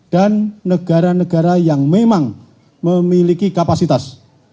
dan negara negara yang memang memiliki kapasitas